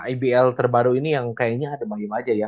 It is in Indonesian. ibl terbaru ini yang kayaknya adam ayem aja ya